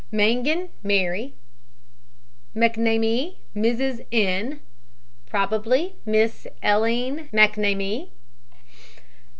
MANGIN, MARY. McNAMEE, MRS. N. (probably Miss Elleen McNamee.)